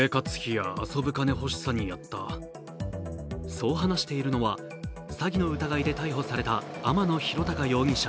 そう話しているのは、詐欺の疑いで逮捕された天野博貴容疑者